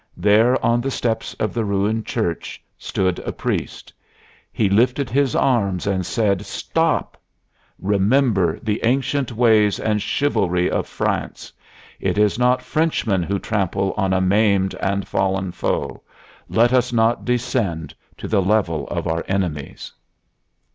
There on the steps of the ruined church stood a priest. He lifted his arms and said: "Stop; remember the ancient ways and chivalry of France. It is not Frenchmen who trample on a maimed and fallen foe. Let us not descend to the level of our enemies."